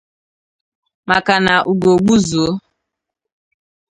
maka na ugo gbuzuo